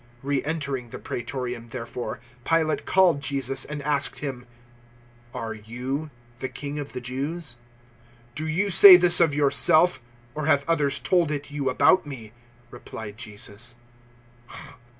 018:033 Re entering the Praetorium, therefore, Pilate called Jesus and asked Him, "Are *you* the King of the Jews?" 018:034 "Do you say this of yourself, or have others told it you about me?" replied Jesus.